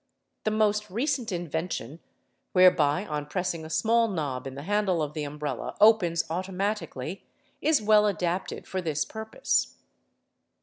The most recent invention, whereby on pressing a small knob in the handle the umbrella opens i automatically, is well adapted for this purpose.